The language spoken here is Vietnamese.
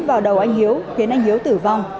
vào đầu anh hiếu khiến anh hiếu tử vong